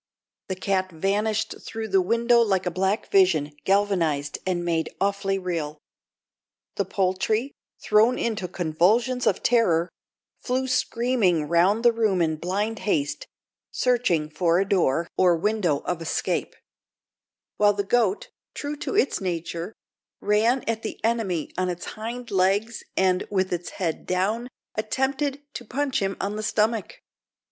The cat vanished through the window like a black vision galvanised and made awfully real. The poultry, thrown into convulsions of terror, flew screaming round the room in blind haste, searching for a door or window of escape; while the goat, true to its nature, ran at the enemy on its hind legs, and, with its head down, attempted to punch him on the stomach.